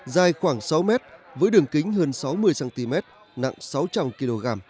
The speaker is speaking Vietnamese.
dài khoảng sáu mét với đường kính hơn sáu mươi cm nặng sáu trăm linh kg